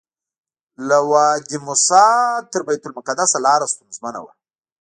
له وادي موسی نه تر بیت المقدسه لاره ستونزمنه وه.